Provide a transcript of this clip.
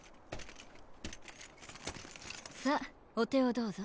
さあお手をどうぞ。